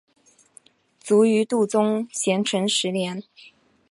卒于度宗咸淳十年。